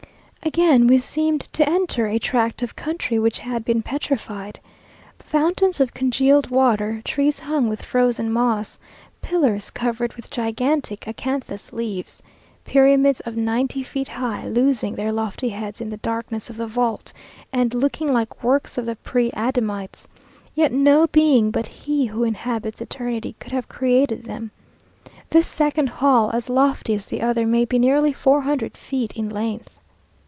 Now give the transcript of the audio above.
Again we seemed to enter a tract of country which had been petrified. Fountains of congealed water, trees hung with frozen moss, pillars covered with gigantic acanthus leaves, pyramids of ninety feet high losing their lofty heads in the darkness of the vault, and looking like works of the pre Adamites; yet no being but He who inhabits eternity could have created them. This second hall, as lofty as the other, may be nearly four hundred feet in length.